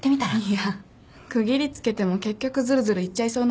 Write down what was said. いや区切りつけても結局ずるずるいっちゃいそうなんで。